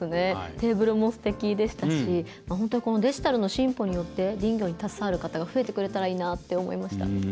テーブルもすてきでしたし本当にデジタルの進歩によって林業に携わる方が増えてくれたらいいなって思いました。